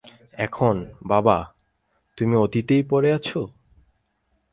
এখন, বাবা, তুমি অতীতেই পরে আছো।